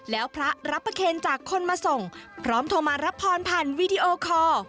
แล้วพระรับประเคนจากคนมาส่งพร้อมโทรมารับพรผ่านวีดีโอคอร์